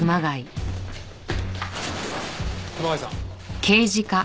熊谷さん？